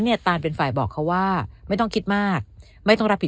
ตานเป็นฝ่ายบอกเขาว่าไม่ต้องคิดมากไม่ต้องรับผิดชอบ